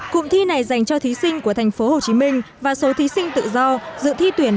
cụm thi này dành cho thí sinh của thành phố hồ chí minh và số thí sinh tự do dự thi tuyển